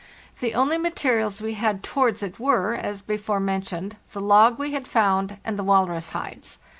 The only materials we had towards it were, as before mentioned, the log we had found and the walrus hides.